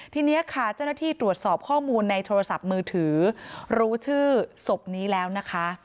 ทีนี้ค่ะเจ้าหน้าที่ตรวจสอบข้อมูลในโทรศัพท์มือถือรู้ชื่อศพนี้แล้วนะคะ